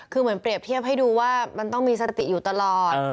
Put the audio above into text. คือเหมือนเปรียบเทียบให้ดูว่ามันต้องมีสติอยู่ตลอด